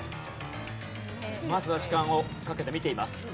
まずは時間をかけて見ています。